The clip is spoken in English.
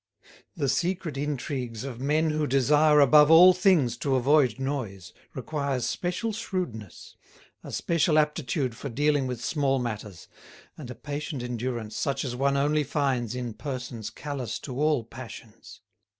The secret intrigues of men who desire above all things to avoid noise requires special shrewdness, a special aptitude for dealing with small matters, and a patient endurance such as one only finds in persons callous to all passions.